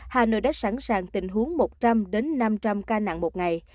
hà nội đã sẵn sàng tình huống một trăm linh năm trăm linh ca nặng một ngày